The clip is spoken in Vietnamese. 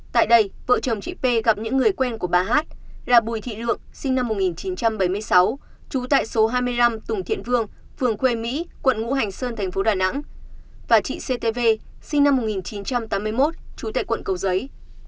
tại đây vợ chồng chị p gặp những người quen của bà hát là bùi thị lượng sinh năm một nghìn chín trăm bảy mươi sáu trú tại số hai mươi năm tùng thiện vương phường khuê mỹ quận ngũ hành sơn thành phố đà nẵng và chị ctv sinh năm một nghìn chín trăm tám mươi một trú tại quận cầu giấy